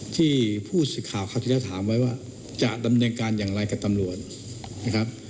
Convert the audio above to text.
ที่ผู้สื่อข่าวคราวที่แล้วถามไว้ว่าจะดำเนินการอย่างไรกับตำรวจนะครับ